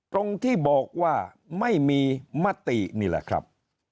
ตรงที่บอกว่าไม่มีมตินี่แหละครับ